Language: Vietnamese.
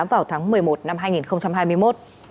vào tháng một mươi một năm hai nghìn hai mươi một